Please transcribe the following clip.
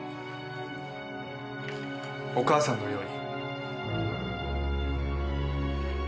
お母さんのように。